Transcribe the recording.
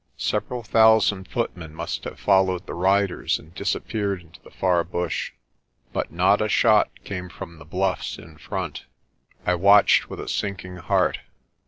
Several thousand footmen must have followed the riders and dis appeared into the far bush. But not a shot came from the bluffs in front. I watched with a sinking heart.